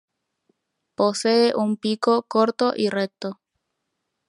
Posee un pico corto y recto.